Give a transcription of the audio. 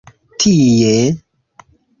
Tie?